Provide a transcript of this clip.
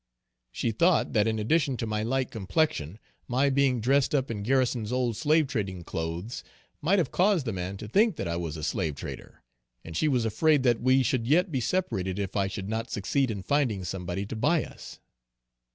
She thought that in addition to my light complexion my being dressed up in Garrison's old slave trading clothes might have caused the man to think that I was a slave trader, and she was afraid that we should yet be separated if I should not succeed in finding some body to buy us.